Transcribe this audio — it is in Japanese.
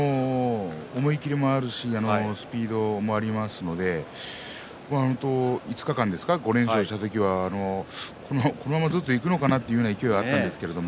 思い切りもあるしスピードもありますし５日間ですね、５連勝した時はこのままいくのかなという勢いがありました。